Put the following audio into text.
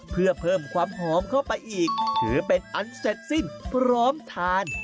เพื่อเพิ่มความหอมเข้าไปอีกถือเป็นอันเสร็จสิ้นพร้อมทาน